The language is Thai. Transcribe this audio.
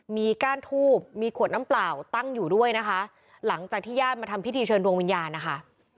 มีก้านทูบมีขวดน้ำเปล่าตั้งอยู่ด้วยนะคะหลังจากที่ญาติมาทำพิธีเชิญดวงวิญญาณนะคะ